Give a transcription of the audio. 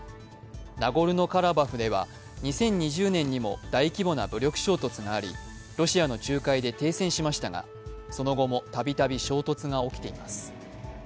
ナゴルノ・カラバフでは２０２０年にも大規模な武力衝突がありロシアの仲介で停戦しましたがその後もたびたび衝突が起きています。